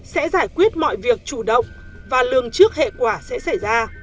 sẽ giải quyết mọi việc chủ động và lường trước hệ quả sẽ xảy ra